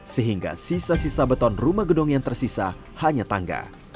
sehingga sisa sisa beton rumah gedung yang tersisa hanya tangga